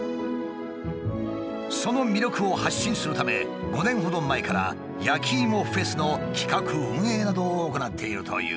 その魅力を発信するため５年ほど前から焼きイモフェスの企画・運営などを行っているという。